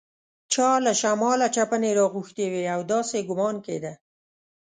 چا له شماله چپنې راغوښتي وې او داسې ګومان کېده.